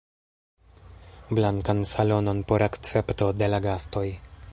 Blankan salonon por akcepto de la gastoj.